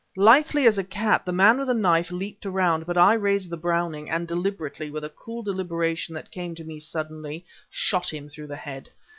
Lithely as a cat the man with the knife leaped around but I raised the Browning, and deliberately with a cool deliberation that came to me suddenly shot him through the head.